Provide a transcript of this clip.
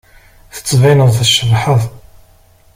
Tettbineḍ-d tcebḥeḍ.